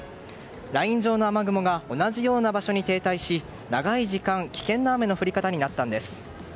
ライン状の雨雲が同じような場所に停滞し長い時間危険な雨の降り方になったんです。